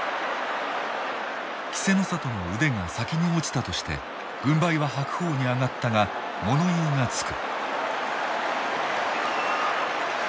稀勢の里の腕が先に落ちたとして軍配は白鵬に上がったが物言いがつく。